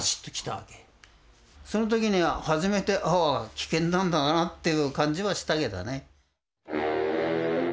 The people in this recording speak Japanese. その時に初めてああ危険なんだなという感じはしたけどね。